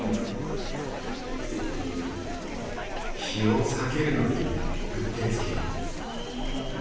日を避けるのにうってつけ。